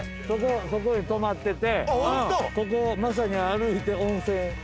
そこに泊まっててここまさに歩いて温泉。